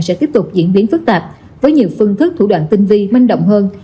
sẽ tiếp tục diễn biến phức tạp với nhiều phương thức thủ đoạn tinh vi manh động hơn